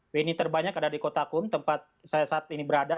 veni terbanyak ada di kota kun tempat saya saat ini berada